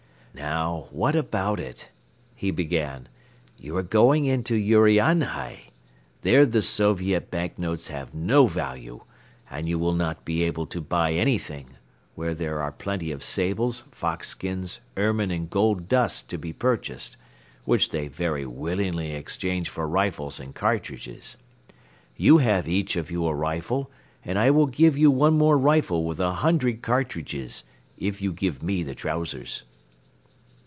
"Now, what about it?" he began. "You are going into Urianhai. There the Soviet bank notes have no value and you will not be able to buy anything, where there are plenty of sables, fox skins, ermine and gold dust to be purchased, which they very willingly exchange for rifles and cartridges. You have each of you a rifle and I will give you one more rifle with a hundred cartridges if you give me the trousers."